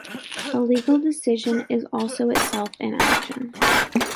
A legal decision is also itself an action.